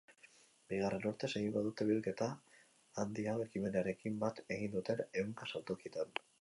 Bigarren urtez egingo dute bilketa handi hau ekimenarekin bat egin duten ehunka saltokietan.